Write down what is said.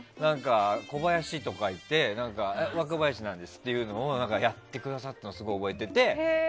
小林！とか言って若林なんですっていうのをやってくださったのをすごい覚えていて。